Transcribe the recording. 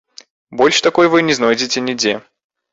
Больш такой вы не знойдзеце нідзе.